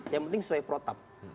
yang penting selai protap